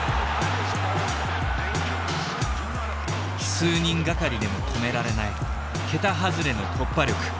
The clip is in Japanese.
数人がかりでも止められない桁外れの突破力。